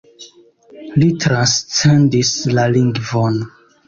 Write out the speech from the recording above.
Li transcendis la lingvon.